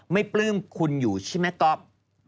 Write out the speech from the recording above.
ปลื้มคุณอยู่ใช่ไหมก๊อฟ